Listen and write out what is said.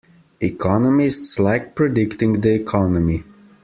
Economists like predicting the Economy.